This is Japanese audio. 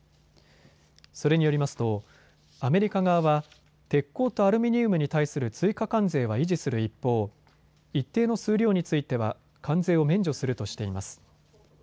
それによりますとアメリカ側は鉄鋼とアルミニウムに対する追加関税は維持する一方、一定の数量については関税を免除するとしています。